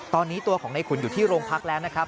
ตอนนี้ตัวของในขุนอยู่ที่โรงพักแล้วนะครับ